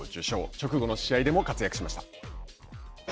直後の試合でも活躍しました。